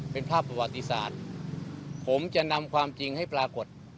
เป็นภาพประวัติศาสตร์ผมจะนำความจริงให้ปรากฏ